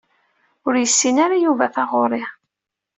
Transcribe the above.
Ur yessin ara Yuba taɣuṛi.